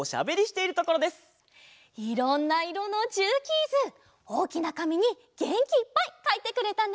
いろんないろのジューキーズおおきなかみにげんきいっぱいかいてくれたね。